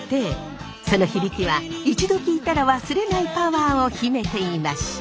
その響きは一度聞いたら忘れないパワーを秘めていました。